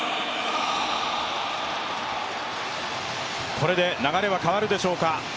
これで流れは変わるでしょうか。